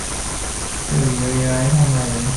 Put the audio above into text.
สื่อมีไว้ทำไม